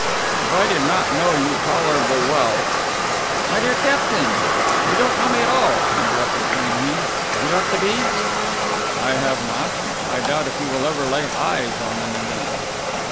"If I did not know you tolerably well " "My dear captain, you don't know me at all," interrupted Cunningham. "Have you got the beads?" "I have not. I doubt if you will ever lay eyes on them again."